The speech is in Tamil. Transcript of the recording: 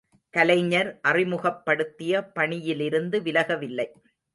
கலைஞர் அறிமுகப்படுத்திய பணியிலிருந்து விலக வில்லை.